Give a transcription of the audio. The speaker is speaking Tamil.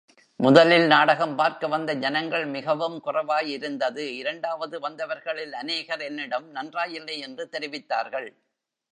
முதலில் நாடகம் பார்க்க வந்த ஜனங்கள் மிகவும் குறைவாயிருந்தது இரண்டாவது வந்தவர்களில் அநேகர் என்னிடம் நன்றாயில்லை யென்று தெரிவித்தார்கள்.